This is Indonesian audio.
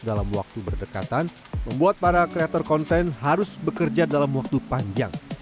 dalam waktu berdekatan membuat para kreator konten harus bekerja dalam waktu panjang